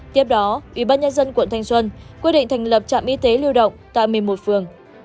tiếp đó ubnd quận thanh xuân quyết định thành lập trạm y tế lưu động tại một mươi một phường